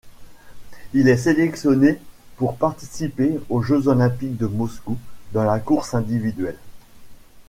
Il est sélectionné pour participer aux Jeux olympiques de Moscou, dans la course individuelle.